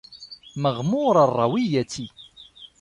مَغْمُورَ الرَّوِيَّةِ